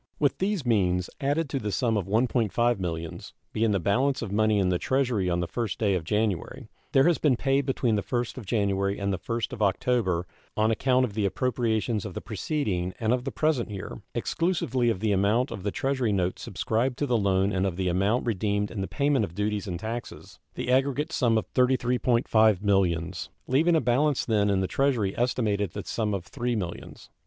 With these means, added to the sum of $1.5 millions, being the balance of money in the Treasury on the 1st day of January, there has been paid between the 1st of January and the 1st of October on account of the appropriations of the preceding and of the present year (exclusively of the amount of the Treasury notes subscribed to the loan and of the amount redeemed in the payment of duties and taxes) the aggregate sum of $33.5 millions, leaving a balance then in the Treasury estimated at the sum of $3 millions.